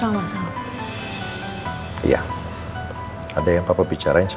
nanti aku akan berbicara sama nino